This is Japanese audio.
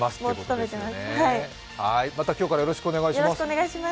また今日からよろしくお願いします。